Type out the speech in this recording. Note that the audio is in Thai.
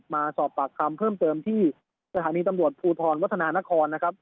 มาสอบปากคำเพิ่มเติมที่ัศนี้ตำลวจผูทรวัฒนะนคร